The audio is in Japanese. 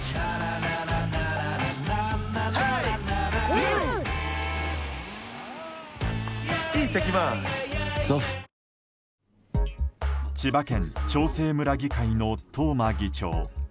ニトリ千葉県長生村議会の東間議長。